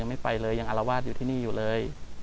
กลับมาที่สุดท้ายและกลับมาที่สุดท้าย